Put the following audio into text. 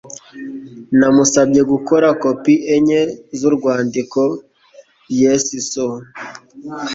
Namusabye gukora kopi enye z'urwandiko. (yessoos)